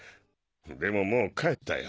でももう帰ったよ。